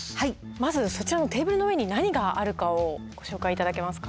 まずそちらのテーブルの上に何があるかをご紹介頂けますか。